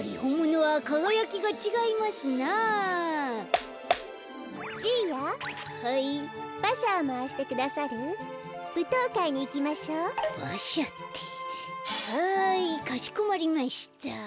はいかしこまりました。